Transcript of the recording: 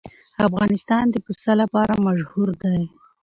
افغانستان د پسه لپاره مشهور دی.